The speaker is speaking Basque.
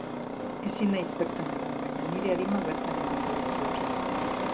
Ezin naiz bertan egon, baina nire arima bertan egongo da zuekin.